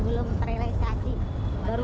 membuat dian kesakitan hai